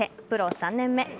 プロ３年目。